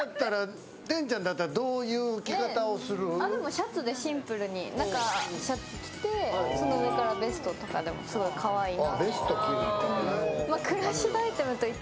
シャツでシンプルに、中、シャツ着てその上からベストとかでもすごいかわいいな。